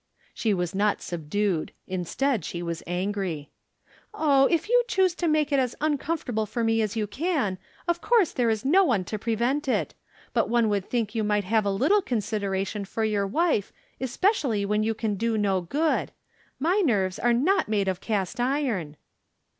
She was not subdued. Instead, she was angry. " Oh, if you choose to make it as uncomfort able for me as you can, of course there is no one to prevent it ; but one would think you might have a little consideration for your wife, espec ially when you can do no good. My nerves are not made of cast iron."